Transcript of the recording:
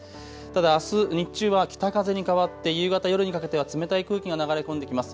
ただあす日中は北風に変わって夕方、夜にかけては冷たい空気が流れ込んできます。